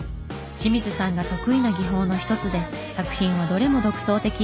清水さんが得意な技法の一つで作品はどれも独創的。